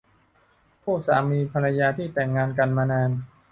คู่สามีภรรยาที่แต่งงานกันมานาน